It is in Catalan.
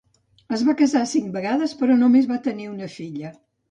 Es va casar cinc vegades però només va tenir una filla.